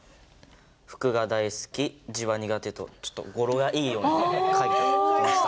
「服が大好き」「字は苦手」とちょっと語呂がいいように書いてみました。